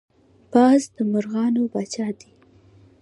باز د مرغانو پاچا دی